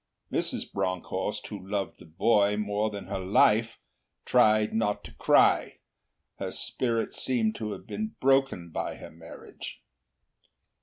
Mrs. Bronckhorst, who loved the boy more than her own life, tried not to cry her spirit seemed to have been broken by her marriage.